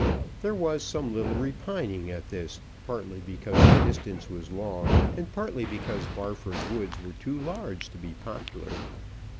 There was some little repining at this, partly because the distance was long, and partly because Barford Woods were too large to be popular.